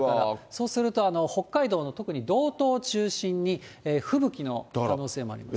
そうすると、北海道の特に道東を中心に吹雪の可能性もあります。